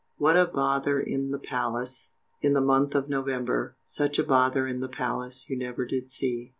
What a bother in the palace, In the month of November, Such a bother in the palace You never did see.